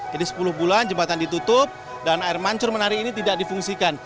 jadi sepuluh bulan jembatan ditutup dan air mancur menari ini tidak difungsikan